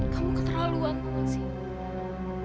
kamu keterlaluan maksud